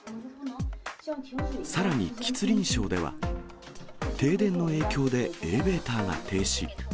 さらに吉林省では、停電の影響でエレベーターが停止。